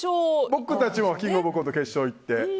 僕たちは「キングオブコント」決勝に行って。